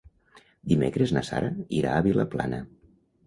Dimecres na Sara irà a Vilaplana.